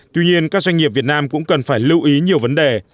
tuy nhiên các doanh nghiệp việt nam cũng cần phải lưu ý nhiều vấn đề